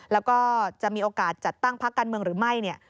แล้วก็จะมีโอกาสจัดตั้งพักการเมืองหรือไม่เนี่ย